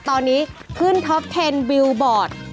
ตอนนี้ขึ้นท็อปเทนบิลบอร์ด